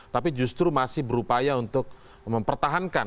tapi justru masih berupaya untuk mempertahankan